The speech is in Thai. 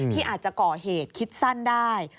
ที่อาจจะก่อเหตุคิดสั้นได้